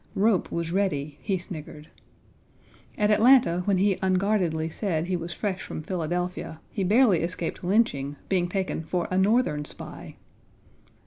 "Rope was ready," he sniggered. At Atlanta when he unguardedly said he was fresh from Philadelphia, he barely escaped lynching, being taken for a Northern spy.